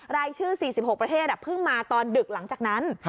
รายชื่อ๔๖ประเทศเพิ่งมาตอนดึกหลังจากนั้น